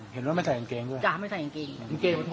เห็นว่าไม่ใส่กางเกงด้วยจ๊ะไม่ใส่กางเกง